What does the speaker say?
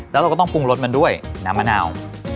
แล้วเราก็ต้องปรุงรสมันด้วยน้ำมะนาว